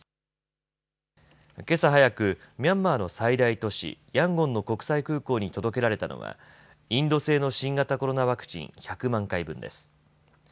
けさ早く、ミャンマーの最大都市、ヤンゴンの国際空港に届けられたのはインド製の新型コロナワクチン１００万回分です。